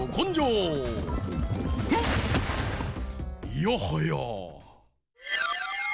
いやはや！